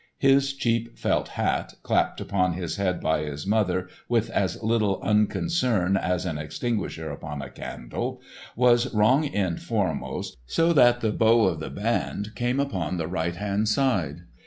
His cheap felt hat, clapped upon his head by his mother with as little unconcern as an extinguisher upon a candle, was wrong end foremost, so that the bow of the band came upon the right hand side.